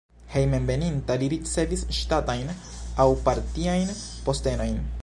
Hejmenveninta li ricevis ŝtatajn aŭ partiajn postenojn.